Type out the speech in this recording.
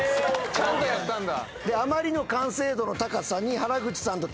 ちゃんとやったんだ。